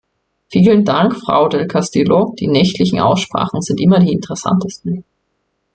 Vielen Dank, Frau del Castillo, die nächtlichen Aussprachen sind immer die interessantesten.